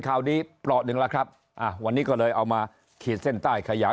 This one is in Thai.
คราวนี้เปราะหนึ่งแล้วครับอ่าวันนี้ก็เลยเอามาขีดเส้นใต้ขยาย